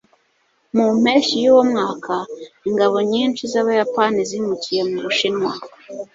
mu mpeshyi yuwo mwaka, ingabo nyinshi z'abayapani zimukiye mu bushinwa